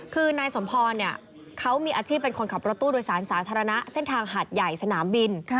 คือนายสมพรเขามีอาชีพเป็นคนขับรถตู้โดยสารสาธารณะเส้นทางหัดใหญ่สนามบิน